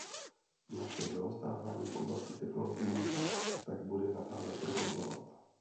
Naše zaostávání v oblasti technologií se tak bude dále prohlubovat.